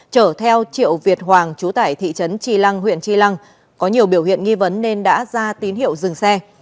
chở theo triệu việt hoàng chú tải thị trấn tri lăng huyện tri lăng có nhiều biểu hiện nghi vấn nên đã ra tín hiệu dừng xe